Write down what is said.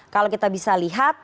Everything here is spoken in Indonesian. kalau kita bisa lihat